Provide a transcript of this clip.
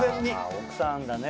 奥さんだね